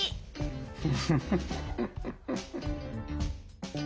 フフフフ。